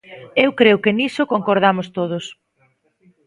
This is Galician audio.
Eu creo que niso concordamos todos.